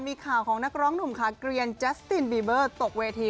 มีข่าวของนักร้องหนุ่มขาเกลียนแจสตินบีเบอร์ตกเวที